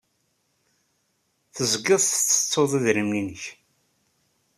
Tezgiḍ tettettuḍ idrimen-nnek.